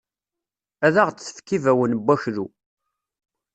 Ad aɣ-d-tefk ibawen n waklu.